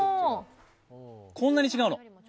こんなに違うの。